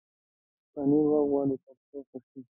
پنېر وخت غواړي تر څو ښه شي.